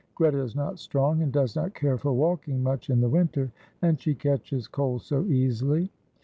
Greta is not strong and does not care for walking much in the winter, and she catches cold so easily."